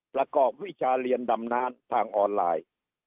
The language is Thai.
ประกอบวิชาเรียนดำน้ำทางออนไลน์